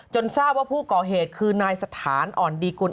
ทราบว่าผู้ก่อเหตุคือนายสถานอ่อนดีกุล